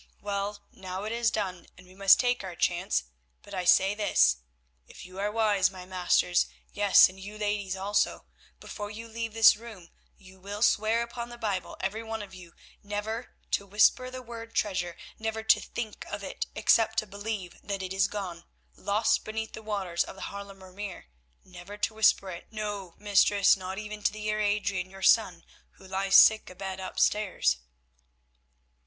Well, now it is done, and we must take our chance, but I say this—if you are wise, my masters, yes, and you ladies also, before you leave this room you will swear upon the Bible, every one of you, never to whisper the word treasure, never to think of it except to believe that it is gone—lost beneath the waters of the Haarlemer Meer. Never to whisper it, no, mistress, not even to the Heer Adrian, your son who lies sick abed upstairs."